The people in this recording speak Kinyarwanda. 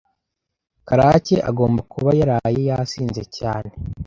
Karake agomba kuba yaraye yasinze cyane.